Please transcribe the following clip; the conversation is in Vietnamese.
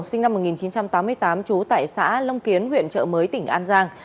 sinh năm một nghìn chín trăm tám mươi tám trú tại xã long kiến huyện trợ mới tỉnh an giang